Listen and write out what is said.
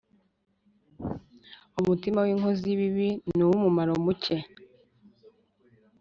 umutima w’inkozi y’ibibi ni uw’umumaro muke